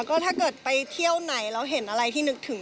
ก็ถ้าเกิดไปเที่ยวไหนเราเห็นอะไรที่นึกถึง